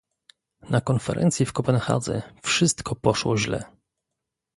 Na konferencji w Kopenhadze wszystko poszło źle